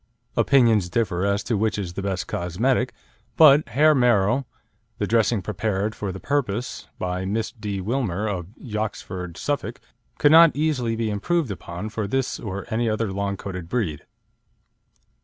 Opinions differ as to which is the best cosmetic, but Hairmero, the dressing prepared for the purpose by Miss D. Wilmer, of Yoxford, Suffolk, could not easily be improved upon for this or any other long coated breed.